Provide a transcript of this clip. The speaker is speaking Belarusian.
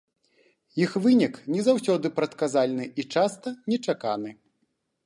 Іх вынік не заўсёды прадказальны і часта нечаканы.